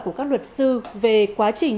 của các luật sư về quá trình